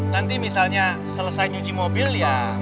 nanti misalnya selesai nyuci mobil ya